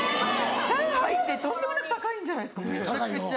上海ってとんでもなく高いんじゃないですかめちゃくちゃ。